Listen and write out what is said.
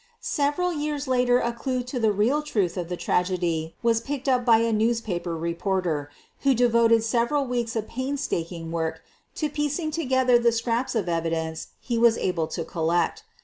Several years later a clue to the real truth of the tragedy was picked up by a newspaper reporter, who devoted several weeks of painstaking work to QUEEN OF THE BURGLARS 237 piecing together the scraps of evidence he was able to collect.